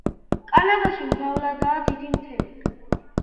კანადაში მრავლადაა დიდი მთები.